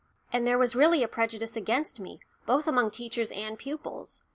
And there was really a prejudice against me, both among teachers and pupils.